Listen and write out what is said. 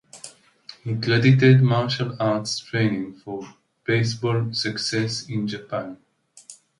He credited martial arts training for baseball success in Japan.